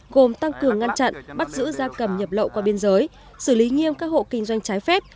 gồm tăng cường ngăn chặn bắt giữ da cầm nhập lậu qua biên giới xử lý nghiêm các hộ kinh doanh trái phép